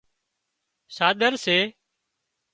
ساۮر سي